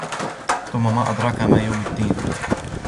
ثُمَّ مَا أَدْرَاكَ مَا يَوْمُ الدِّينِ